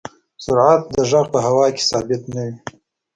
سرعت د غږ په هوا کې ثابت نه وي.